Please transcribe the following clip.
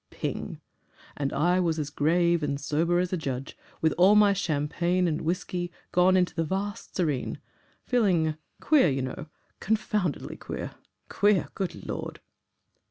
Ping! And I was as grave and sober as a judge, with all my champagne and whisky gone into the vast serene. Feeling queer, you know confoundedly QUEER! Queer! Good Lord!"